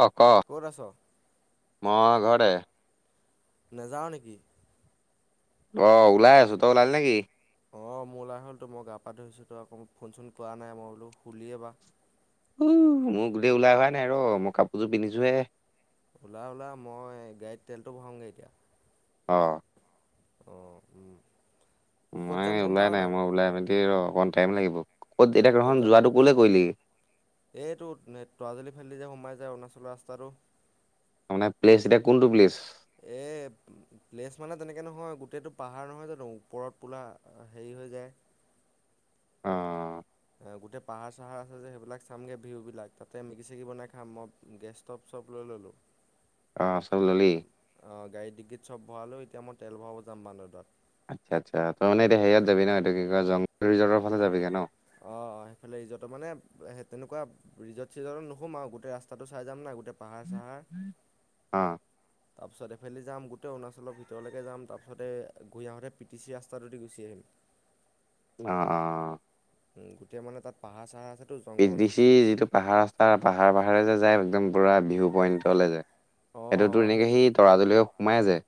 কক ক'ত আছ মহঘৰে নেযাওঁ নেকি অ', ওলাই আছো ত ওলালে নেকি অ', মোৰ লাই হ'লতো মই গা পা ধৰিছোঁ তো আকৌ ফোন চোন কৰা নাই মই বোলো শুলিয়েই বা উ মোৰ গোটেই ওলাই হোৱা নাই ৰ মই কাপোৰযোৰ পিন্ধিছোহে ওলা ওলা মই গাড়ীত তেলটো ভঢ়াওঁগৈ এতিয়া অ', উম, ক'ত মই যাম গম ওলোৱাই পাৱ নাই। মই ওলাই মেলি অকমান টাইম লাগিব। ক'ত এতিয়া তহত যোৱাটো ক'লৈ কৰিলি? এইটো তৰাজুলী ফালেদি যে সোমাই যায় অৰুণাচলৰ ৰাস্তাটো, মানে প্লেচ এতিয়া কোনটো প্লেচ? এ, প্লেচ মানে তেনেকে নহয়। গোটেইটো পাহাৰ নহয় জানো, ওপৰত পুৰা হেৰি- হৈ যায় [unintelligible] অ অ, গোটেই পাহাৰ চাহাৰ আছে যে সেইবিলাক চামগৈ ভিউ বিলাক, তাতে মেগি-চেগি বনাই খাম। মই গেষ্ট ষ্টভ চব লৈ- লৈ ললো। অ চব ললি অ গাড়ীত ডিকিত চব ভৰাালো, এতিয়া মই তেল ভৰাব যাম বান্দৰডোৱা। আচ্ছা- আচ্ছা, তাৰ মানে এতিয়া হেৰিয়াত যাবি ন, এইটো কি কয় জংঘল ৰিজৰ্টৰ ফালে যাবিগৈ ন? অ সেইফালে ৰিজৰ্ট মানে তেনেকুৱা ৰিজৰ্ট- চিজৰ্টত নোসোমাও, গোটেই ৰাস্তাটো চাই যাম না- পাহাৰ- চাহাৰ। অ তাৰপিছত এইফালেদি যাম গোটেই অৰুণাচলৰ ভিতৰলৈকে যাম, তাৰপিছতে ঘূৰি আহঁতে পিটিচি ৰাস্তাটোৱেদি গুচি আহিম। হয় [inaudible] অ, অ গোটেই মানে তাত পাহাৰ- চাহাৰ আছে। পিবিচি যিটো পাহাৰ ৰাস্তা পাহাৰে পাহাৰে যে যায় একদম পুৰা ভিউ পইণ্টলৈ যায়। অ', সেইটো তোৰ অ', এনেকে যে সেই তৰাজুলি সোমাই যায়।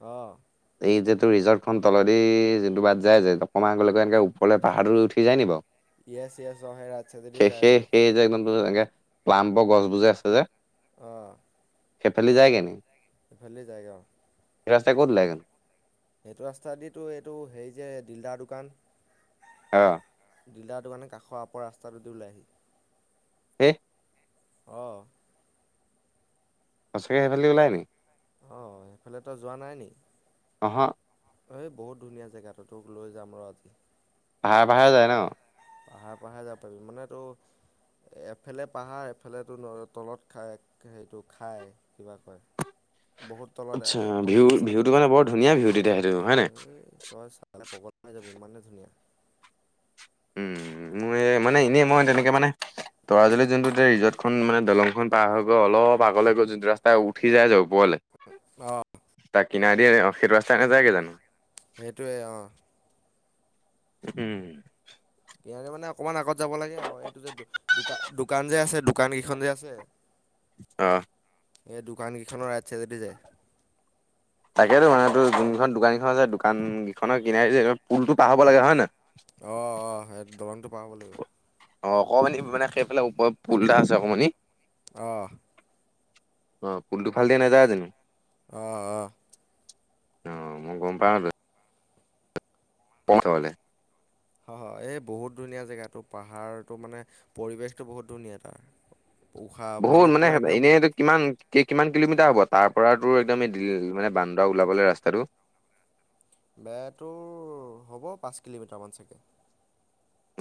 অ, এইটো ৰিজৰ্টখন তলেদি যিটো বাট যায় যে, অকণমান আগৰে গৈ এনেকে পাহাৰটোৰ ওপৰলৈ নি বাৰু! ইয়েছ-ইয়েছ অ সেই ৰাস্তা তোৱেদি সেই যাই সেই যে, সেই একদম এনেকে প্লামৰ গছ বোৰ যে আছে যে, অ, সেইফালি যায়গৈ নি? সেইফালেদি যায়গৈ অ। ৰাস্তাই ক'ত ওলাই গেনো? এইটো ৰাস্তাদি তোৰ এইটো হেৰি যে দিলদাৰ দোকান। অ'। দিলদাৰ দোকানৰ কাষৰ আপৰ ৰাস্তাটোদি ওলাই। এ অ'। সঁচাকে সেইফালেদি ওলায় নি? অ', সেইফালে তই যোৱা নাই নি? অহ। এই বহুত ধুনীয়া জেগাটো তোক লৈ যাম ৰ আজি। পাহাৰে পাহাৰে যায় ন? পাহাৰে পাহাৰে যাব পাৰিবি, মানে তোৰ এফালে পাহাৰ এফালে তল-তলত খায়, সেইটো খাই কিবা কয় বহুত তলত আচ্ছা এ, ভিউ পঞ্চাশ ভিউটো ষাঠি মানে বৰ ধুনীয়া ভিউ তেতিয়া সেইটো, হয় নাই? চাই যাবি ইমানেই ধুনীয়া। উম, মোৰ এ মানে এনেই মই তেনেকে মানে তৰাজুলীত জোনটো ৰিজৰ্টখন মানে দলংখন পাৰ হৈ গৈ অলপ আগলৈ গৈ জোনটো ৰাস্তাই উঠি যাই যে ওপৰলে। অ তাৰ কিনাৰেদি অ', সেইটো ৰাস্তাই নেযায়গৈ জানোঁ? সেইটোৱে অ'। উম। [unintelligible] মানে অকনমান আগত যাব লাগে আৰু, এইটো যে দো-দোকান যে আছে দোকান গিখন যে আছে। অ'। এই দোকান কেইখনৰ ৰাইড চাইডেদি যায়। তাকেতো মানে তোৰ যোনখন দোকান কেইখন আছে দোকান দিখনৰ কিনাৰদি যে পুলটো পাৰ হব লাগে, হয় নয়? অ অ সেই দলংটো পাৰ হব লাগিব। অ', অকমানি মানে সেইফালে ওপৰে পুল এটা আছে অকমানি। অ'। অ', পুলটো ফালদি নাযায় জানোঁ? অ', অ'। অ', মই গম পাওঁ ত পওঁ থবলে হ হ, এই বহুত ধুনীয়া জেগাটো পাহাৰটো মানে পৰিৱেশটো বহুত ধুনীয়া তাৰ। উশাহ বহুত মানে পূৰা একদম হে-এনে এইটো কিমান কে কিমান কিলোমিটাৰ হ'ব তাৰ পৰা তোৰ একদম মানে এ দিল বান্দদৰা ওলাবলে ৰাস্তাটো? বে টোৰ হ'ব পাঁচ কিলোমিটাৰমান চাগে।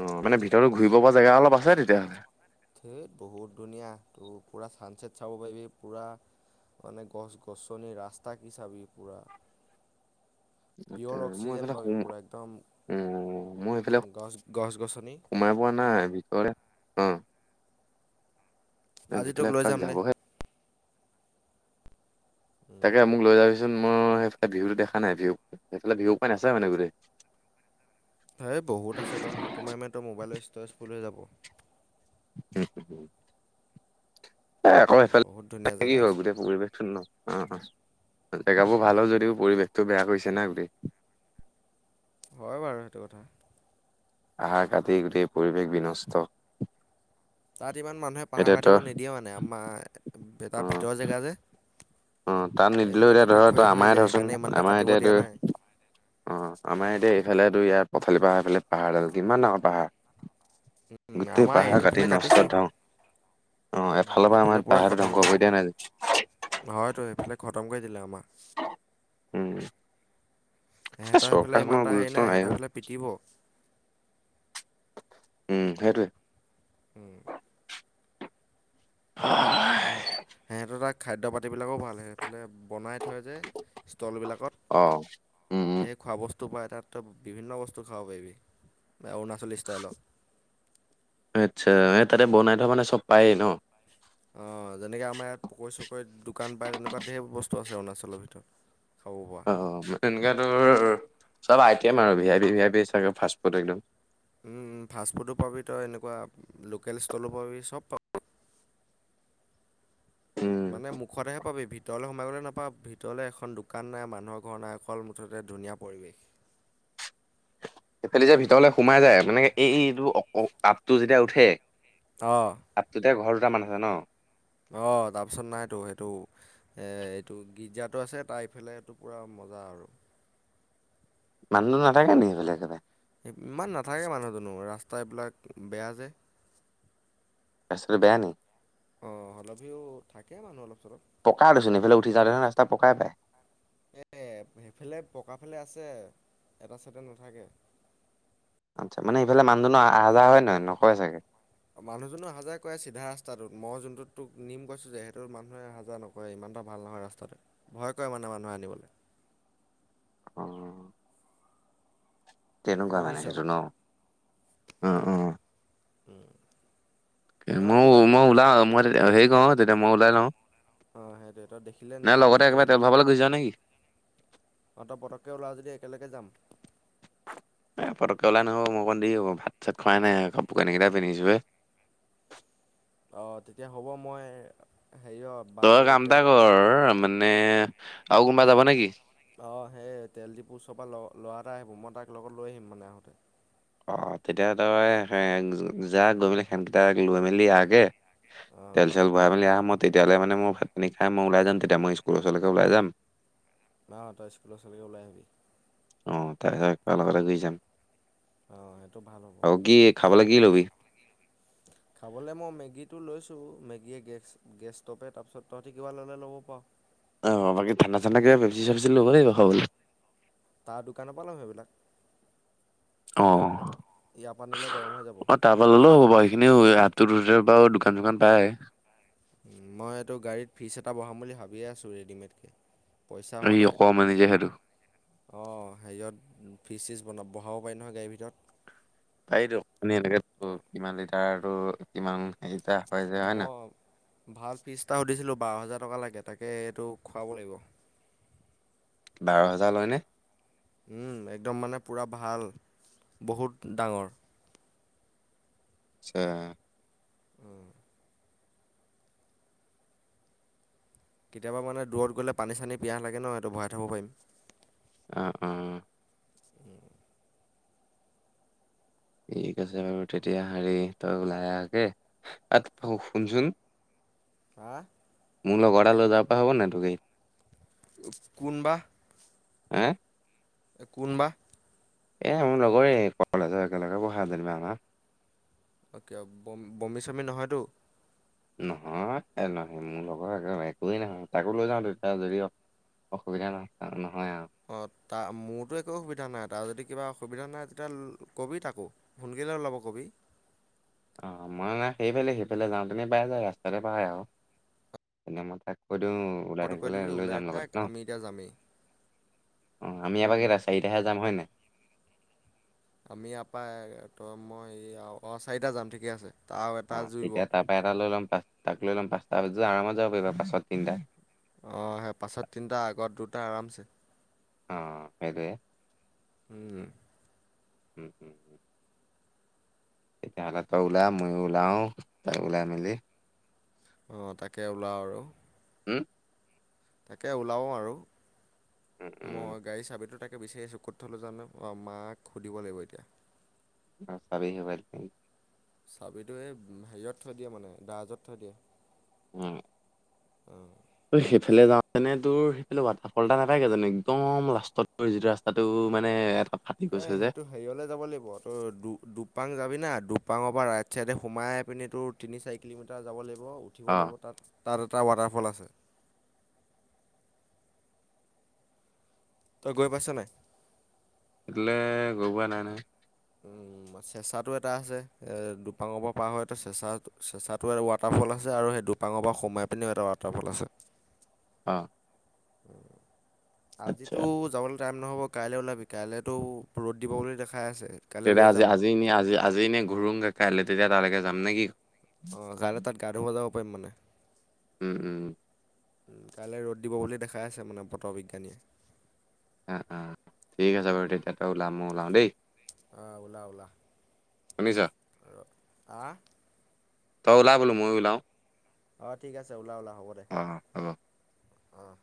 অ', মানে ভিতৰতো ঘূৰিব পৰা জেগা অলপ আছে তেতিয়াহ'লে। ধেৎ বহুত ধুনীয়া, তোৰ পুৰা চানচেট চাব পাৰিবি পুৰা মানে গছ গছনিৰ ৰাস্তা কি চাবি পুৰা। পিয়ৰ অক্সিজেন পাবি পুৰা একদম উম, মই সেইফালে গছ গছ গছনি সোমাই পোৱা নাই ভিতৰতে, অ'। আজি তোক ভিতৰলে লৈ যাম এপাক দে যাবহে উম, তাকে মোক লৈ যাবি চোন মই সেইফালে ভিউটো দেখা নাই, ভিউ সেইফালে ভিউপইন্ট আছে মানে গোটেই। হেই বহুত আছে, তই ফটো মাৰি মাৰি তোৰ মোবাইলৰ ষ্টৰেজ ফুল হৈ যাব। [unintelligible] এ, আকৌ সেইফালে বহুত ধুনীয়া কি জেগা হয় আছে গোটেই পৰিৱেশ অ'। জেগাবোৰ ভাল হয় যদিও পৰিৱেশটো বেয়া কৰিছে না গোটেই। হয় বাৰু সেইটো কথা। পাহাৰ কাটি গোটেই পৰিৱেশ বিনষ্ট। যিমান মানুহে পাহাৰ এতিয়া কাটিব তই নিদিয়ে মানে আমাৰ এ, অ ভাৰ-ভিতৰৰ জেগা যে। অ', তাত এই নিদিলেও এতিয়া পটককৈ ধৰ ত, খহি খহি আমাৰে যায় ধৰচোন সেইকাৰণে ইমান এটা আমাৰ কাটিব এতিয়া দিয়া এই নাই অ', আমাৰ এতিয়া এইফালে ইয়াৰ পথালি পাহাৰ এইফালে পাহাৰ এডাল কিমান ডাঙৰ পাহাৰ উম, গোটেই আমাৰ পাহাৰ কাটি এইফালে কাটিছে নষ্ট থওঁ। অ' উম, এফালৰ পৰা এইফালে আমাৰ পূৰা পাহাৰ খতম ধ্বংস কৰি দিয়া নাই জা ইফালে খতম কৰি দিলে আমাক। উম। এ সিহঁতৰ সেইফালে চৰকাৰখনৰ ইমান এটা হেৰি গুৰুত্ব নাই, সিহঁতৰ অ এইফালে পিটিব। উম, সেইটোৱেই। উম। হয়। অ ', সিহঁতো তাক খাদ্য পাতিবিলাকও ভাল সেইফালে বনাই থয় যে। ষ্টলবিলাকত অ উম উম ধেৰ খোৱা বচ বস্তু পায় তাত বিভিন্ন বস্তু খাব পাৰিবি অৰুণাচলী ষ্টাইলত। আচ্ছা এ, তাতে বনাই থোৱা মানে চব পায়েই ন? অ', যেনেকে আমাৰ ইয়াত পকৰি চকৰি দোকান পায় তেনেকুৱা ঢেৰ বস্তু আছে অৰুণাচলৰ ভিতৰত। খাব পৰা অ', এনেকুৱা তৰ চব আইটেম আৰু V I P V I P চাগে ফাষ্টফুড একদম। উম, উম, ফাষ্টফুডো পাবি তই এনেকুৱা লোকেল ষ্টলো পাবি চব পাবি। উম মানে মুখতেহে পাবি ভিতৰলৈ সোমাই গলে নাপাব ভিতৰলে এখন দোকান নাই মানুহৰ ঘৰ নাই অকল মুঠতে ধুনীয়া পৰিৱেশ। এফালি যে ভিতৰলে সোমাই যায় মানে এ-এইটো অ'-আপটো যেতিয়া উঠে অ', আপোটোতে ঘৰ দুটামান আছে ন? অ তাৰ পিছত নাইতো সেইটো, এ এইটো গীৰ্জাটো আছে, তাৰ ইফালেটো পুৰা ম আৰু মানুহ নাথাকে নি এইফা? লে একবাৰে ইমান নাথাকে মানুহ দুনো, ৰাস্তা এইবিলাক বেয়া যে ৰাস্তা বেয়া নি? অ', [unintelligible] থাকে মানুহ অলপ চলপ। পকা দেচোন এইফালে উঠি যাওঁতে দেখোন ৰাস্তা পকাই পায় এ সেইফালে, পকা ফালে আছে এটা চাইডে নাথাকে। আচ্ছা মানে ইফালে মানুদোনো আহা যাহা হয়নে নহয় নকয় চাগে। মানুহজনো অহা যোৱা কৰে চিধা ৰাস্তাটোত। মই যোনটোত তোক নিম কৈছো যে, সেইটোত মানুহে অহা যোৱা নকৰে ইমান। [unintelligible] ভাল নহয় ৰাস্তাতো, ভয় কৰে মানে মানুহ আনিবলৈ। অ, তেনেকুৱাই মানে বুজিছ। হেতু ন অ অ। উম্ [unintelligible] ওলা, মই তেতিয়া হেৰি কও তেতিয়া মই ওলাই লওঁ। অঁ সেইটোৱে তই দেখিলে নাই লগতে একেবাৰে তেল ভাৰাবলৈ গুচি যাও নেকি? অ্ তই পতককে ওলাৱ যদি একেলগে যাম। [unintelligible] এ্ পটকেওলাই নহব। মোৰ অকমান দেৰি হ'ব। ভাত চাত খোৱাই নাই। কাপোৰ কানি কেইটা পিন্ধিছোহে। অ, তেতিয়া হ'ব মই হেৰি অঁ বান তই কাম এতা তেলটো কৰ, মানে আৰু কোনোবা যাব নেকি? অ, সেই তেলডিপুৰ উচৰ পৰা ল লৰা এটা আহিব মই তাক লগত লৈ আহিম মানে আহোঁতে। অ্ তেতিয়া তই সেন য, যা গৈ পেলাই সেনকিইটাক লৈ মেলি আহগে। অঁ তেল্ তাৰ চেল্ ভৰাই মেলি আহ ম তেতিয়াহলে মানে মই ভাতপাণী খাই মই ওলাই যাম। তেতিয়া মই স্কুল ওচৰলৈকে ওলাই যাম। ন্ তই স্কুলৰ ওচলৈকে ওলাই আহিবি। অ্ তাই [unintelligible] গুচি যাম। অ', হেটো ভাল হ'ব। আৰু কি খাবলৈ কি লবি? [inaudible] খাবলৈ মই মেগীটো লৈছোঁ মেগীয়ে গেছ গেছ ষ্ট'ভে। তাৰপিছত তহঁতি কিবা ল'লে ল'ব পাৰ। অ', বাকী ঠাণ্ডা চাণ্ডা কিবা পেপচি চেপচি ল'ব লাগিব খাবলৈ। তাৰ দোকানৰ পৰা ল'ম সেইবিলাক। অহ। ইয়াৰ পা নিলে গৰম হৈ যাব। এনেও আপটোত উঠিলে বাৰু দোকান চোকান পায়। মই এইটো গাড়ীত ফ্ৰিচ এটা বঢ়াম বুলি ভাবিয়ে আছো ৰেডিমেডকে। পইচা হোৱা এই নাই, অকমানি যে সেইটো। অ' হেৰিয়ত ফিচ চিজ অ', বঢ়াব পাৰি নহয় গাড়ী ভিতৰত। [unintelligible] অঁ কিমান লিটাৰটো কিমান হেৰিটা হয় যে হয় নাই মই ভাজ পিষ্টাও দিছিলো বাৰ হাজাৰ টকা লাগে। তাকে এইটো খুৱাব লাগিব। বাৰ হেজাৰ লয়নে? উম, একদম মানে পুৰা ভাল বহুত ডাঙৰ। আতছা। উম। কেতিয়াবা মানে দূৰত গ'লে পানী চানী পিয়াহ লাগে ন এটো ভৰাই থ'ব পাৰিম। অ', অ'। ঠিক আছে বাৰু তেতিয়া হেৰি তই ওলাই আহে গে। [unintelligible] শুনচোন! হা? মোৰ লগৰ এ লৈ যাব পৰা হ'বনে তোৰ গাড়ীত? কোন বা? হে? কোন বা? এ মোৰ লগৰে কলেজৰ একেলগে পঢ়াই জেনিবা আমাৰ। অ'কে, বম-বমি চমি নহয়তো? নহয় এ নহয় মোৰ লগৰ এক একোৱেই নহয়। তাকো লৈ যাওঁ তেতিয়া যদিও অসুবিধা [unintelligible] অ', তা মোৰতো একো অসুবিধা নাই তাৰ যদি কিবা সুবিধা নাই তেতিয়া কবি তাকো। সোনকালে ওলাব কবি। অ', মই নে সেইফালে সেইফালে যাওঁ তেনেি পাই যায় ৰাস্তাতে পাই আৰু মানে মই তাক কৈ দিউ ওলাই খবৰটো কৈ থাকিবলৈ দিবি লৈ ওলাই যাম লগতে থাক ন। আমি এতিয়া যামেই অ', আমি এবাক উম। কেইটা চাৰিটাহে যাম হয় নাই? আমি ইয়াৰপা তই মই অহ চাৰিটা যাম ঠিকে আছে। আৰু এটা অ', জুৰিব তেতিয়া তাৰ পৰা এটা লৈ ল'ম পাঁচ তাক লৈ লম পাঁচটা হৈ আৰামত যাব পাৰিবা পাছত তিনটা। অ', সেই পাছত তিনিটা আগত দুটা আৰামছে। অ' এইটোৱে। উম উম, উম। তেতিয়াহ'লে তই ওলা মই ওলাও তাৰ পিছত ওলাই মেলি আহ তাকে ওলাও আৰু। হম? তাকে ওলাওঁ আৰু উম, উম, মই গাড়ী চাবিতো তাক তাকে বিচাৰি আছো ক'ত থলো জানো মাক সুধিব লাগিব এতিয়া। অ', চাবি হেৰুৱাই [unintelligible] চাবিতটো এই হেৰিত থৈ দিয়ে মানে দ্ৰাজত থৈ দিয়ে। উম। অ'। তই সেইফালে যাওঁতেনে তোৰ সেইফালে ৱাটাৰফল এটা নাপায়গে জানো? একদম লাষ্টত তোৰ যিটো ৰাস্তাটো তোৰ মানে ফাটি এ গৈছে যে সেইটো হেৰি হ'লে যাব লাগিব তোৰ দু দুপাং যাবি না দু দুপাঙৰ পৰা ৰাইট চাইডে সোমাই পিনি তিনি চাৰি কিলোমিটাৰ যাব লাগিব উঠিব অ', লাগিব তাত তাত এটা ৱাটাৰফল আছে। তই গৈ পাইছোঁ নাই। [unintelligible] গৈ পোৱা নাই নহয়। উম। [unintelligible] চেঁচাটো এটা আছে এ দুপাঙৰ পৰা পাৰ হয় চেঁচা চেঁচাটো ৱাটাৰফল আছে আৰু সেই দুপাঙৰ পৰা সোমাই পিনেও এটা ৱাটাৰফল আছে। অ'। আচ্ছা আজিতো যাব লা টাইম নহ'ব কাইলৈ ওলাবি কাইলেতো ৰ'দ দিব বুলি দেখাই আছে। কাইলৈ তেতিয়া লৈ আজি যাম আজি নে আজি আজি নে ঘূৰংগে কাইলে তেতিয়া তালৈকে যাম নেকি অ' কালিলৈ তাত গা ধুব যাব পাৰিম মানে। উম, উম। উম, কাইলৈ ৰ'দ দিব বুলি দেখাই আছে মানে বতৰ বিজ্ঞানীয়ে। অ', অ', ঠিক আছে বাৰু তেতিয়া তই ওলাম মই ওলাওঁ দেই। অঁ ওলা ওলা শুনিছা। ৰ- আহ। তই ওলাব বোলো ময়ো ওলাও। অ' ঠিক আছে ওলা ওলা হ'ব দে, অ', হ'ব। অ'।